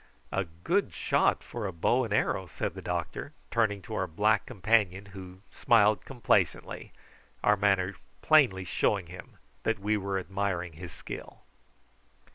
"A good shot for a bow and arrow," said the doctor, turning to our black companion, who smiled complacently, our manner plainly showing him that we were admiring his skill.